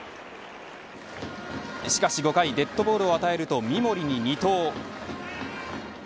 しかし５回、デッドボールを与えると三森に２盗。